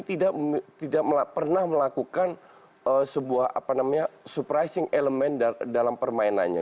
dia tidak pernah melakukan sebuah element yang mengejutkan dalam permainannya